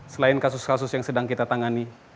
selain kasus kasus yang sedang kita tangani